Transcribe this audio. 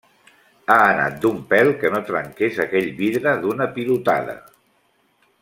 Ha anat d'un pèl que no trenques aquell vidre d'una pilotada.